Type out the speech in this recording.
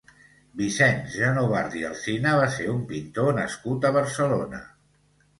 Vicenç Genovart i Alsina va ser un pintor nascut a Barcelona.